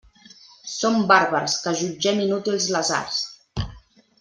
Som bàrbars que jutgem inútils les arts.